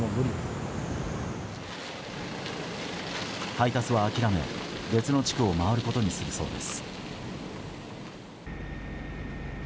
配達は諦め、別の地区を回ることにするそうです。